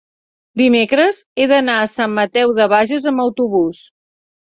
dimecres he d'anar a Sant Mateu de Bages amb autobús.